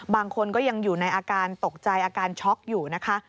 บางคนก็ยังอยู่ในอาการตกใจอาการช็อกอยู่นะคะ